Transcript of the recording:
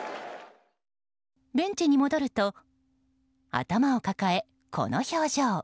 ベンチに戻ると頭を抱えこの表情。